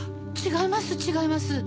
違います